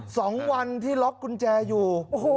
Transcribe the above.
สองวันที่ล็อกกุญแจอยู่โอ้โห